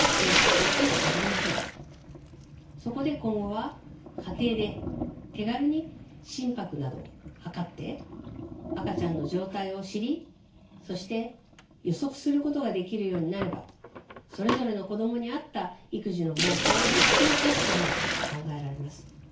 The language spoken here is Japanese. そこで今後は家庭で手軽に心拍などを測って赤ちゃんの状態を知りそして予測することができるようになればそれぞれの子供に合った育児の方法を見つけやすくなると考えられます。